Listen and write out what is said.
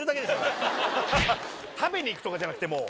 食べにいくとかじゃなくてもう。